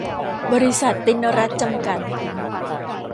บริษัท ติณรัตน์ จำกัด